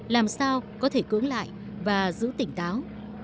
làm sao có thể cưỡng lại và giữ tỉnh táo